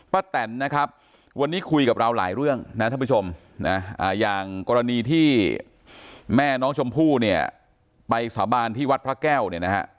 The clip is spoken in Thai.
แตนนะครับวันนี้คุยกับเราหลายเรื่องนะท่านผู้ชมนะอย่างกรณีที่แม่น้องชมพู่เนี่ยไปสาบานที่วัดพระแก้วเนี่ยนะฮะ